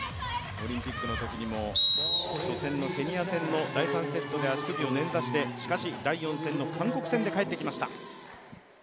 オリンピックのときにも、初戦のケニア戦の第３セットで足首を捻挫して、しかし第４戦の韓国戦で帰ってきました。